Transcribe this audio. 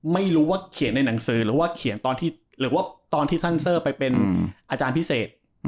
ไม่รู้ว่าเขียนในหนังสือหรือว่าเขียนตอนที่หรือว่าตอนที่ท่านเซอร์ไปเป็นอาจารย์พิเศษ